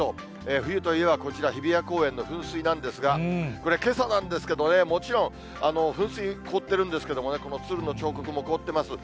冬といえばこちら、日比谷公園の噴水なんですが、これ、けさなんですけどね、もちろん噴水凍ってるんですけれどもね、この鶴の彫刻も凍ってます。